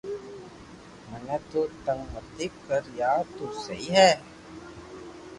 مني تو تبگ متي ڪريار تو سھي ھي